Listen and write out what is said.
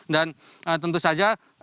dan tentu saja